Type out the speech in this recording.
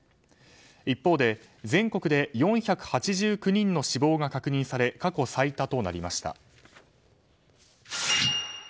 一方で全国で４８９人の死亡が確認され過去最多となりました。